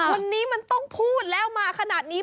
วันนี้มันต้องพูดแล้วมาขนาดนี้